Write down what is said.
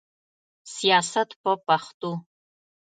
سیاست په پښتو.